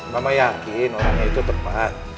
mama yakin orangnya itu tepat